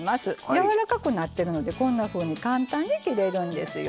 やわらかくなってるのでこんなふうに簡単に切れるんですよ。